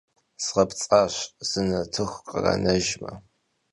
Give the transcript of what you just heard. Zğepts'aş, zı nartıxu khranejjme!